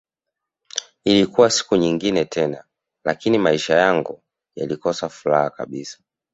Ilikuwa siku nyingine tena lakini maisha yangu yalikosa furaha kabisa